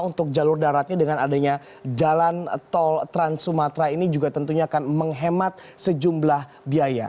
untuk jalur daratnya dengan adanya jalan tol trans sumatera ini juga tentunya akan menghemat sejumlah biaya